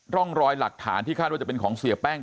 ร่องรอยหลักฐานที่คาดว่าจะเป็นของเสียแป้ง